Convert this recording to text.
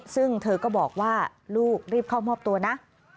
ซึ่งเธอก็บอกว่าลูกรีบเข้ามอบตัวนะ